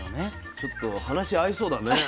ちょっと話合いそうだね。